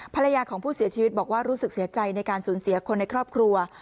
ภรรยาของผู้เสียชีวิตบอกว่ารู้สึกเสียใจในการสูญเสียคนในครอบครัว